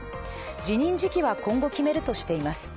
辞任時期は今後決めるとしています。